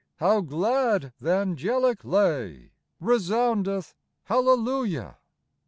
How glad th' angelic lay Resoundeth " Hallelujah